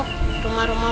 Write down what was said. satu barang masuk